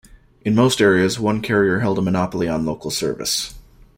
In most areas, one carrier held a monopoly on local service.